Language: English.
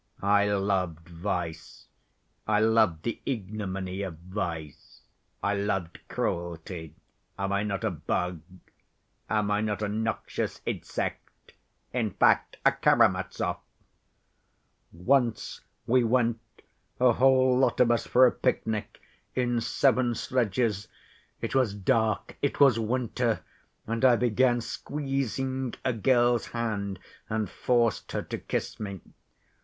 I loved vice, I loved the ignominy of vice. I loved cruelty; am I not a bug, am I not a noxious insect? In fact a Karamazov! Once we went, a whole lot of us, for a picnic, in seven sledges. It was dark, it was winter, and I began squeezing a girl's hand, and forced her to kiss me.